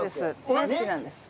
大好きなんです。